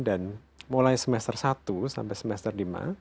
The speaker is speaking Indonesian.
dan mulai semester satu sampai semester lima